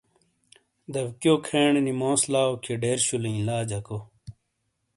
دَبکیو کھینے نی موس لاؤ کھِئیے ڈیر شولئیں لا جَکو۔